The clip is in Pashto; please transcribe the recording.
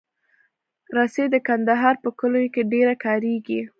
رسۍ د کندهار په کلیو کې ډېره کارېږي.